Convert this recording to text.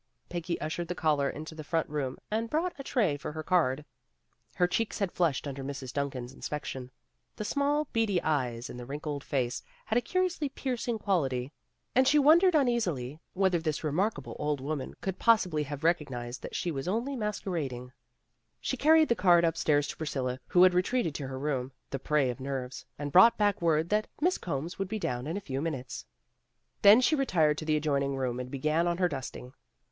Peggy ushered the caller into the front room and brought a tray for her card. Her cheeks had flushed under Mrs. Duncan's inspection. The small, beady eyes in the wrinkled face had a curiously piercing quality, and she wondered uneasily whether this remarkable old woman could possibly have recognized that she was only masquerading. She carried the card upstairs to Priscilla who had retreated to her room, the prey of nerves, and brought back word that Miss Combs would be down in a few minutes. Then she retired to the adjoining room and began on her dusting.